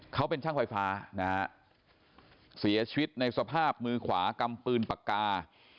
เขาเป็นช่างไฟฟ้านะฮะเสียชีวิตในสภาพมือขวากำปืนปากกา